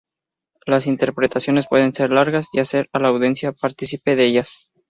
Las interpretaciones pueden ser largas y hacer a la audiencia partícipe de ellas.